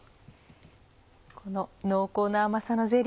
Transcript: この濃厚な甘さのゼリーに。